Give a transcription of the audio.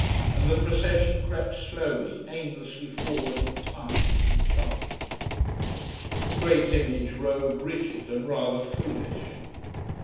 And the procession crept slowly, aimlessly forward in time with the chant. The great image rode rigid, and rather foolish.